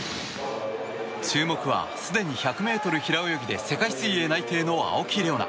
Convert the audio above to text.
注目はすでに１００ｍ平泳ぎで世界水泳内定の青木玲緒樹。